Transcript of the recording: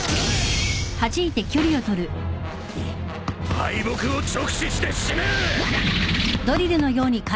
敗北を直視して死ね！